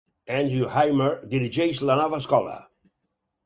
Andrew Hymer dirigeix la nova escola.